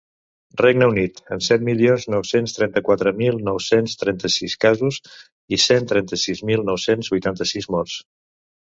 Regne Unit, amb set milions nou-cents trenta-quatre mil nou-cents trenta-sis casos i cent trenta-sis mil nou-cents vuitanta-sis morts.